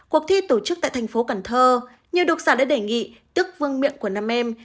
cuộc thi tổ chức tại thành phố cần thơ nhiều độc giả đã đề nghị tức vương miệng của năm em